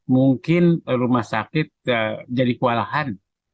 mungkin rumah sakit jadi kewalahan